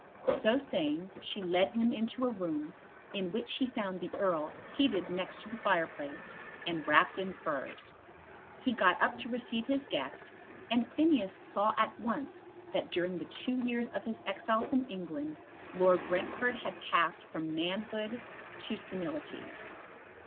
So saying she led him into a room, in which he found the Earl seated near the fireplace, and wrapped in furs. He got up to receive his guest, and Phineas saw at once that during the two years of his exile from England Lord Brentford had passed from manhood to senility.